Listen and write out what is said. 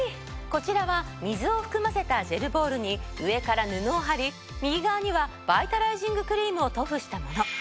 こちらは水を含ませたジェルボールに上から布を貼り右側にはバイタライジングクリームを塗布したもの。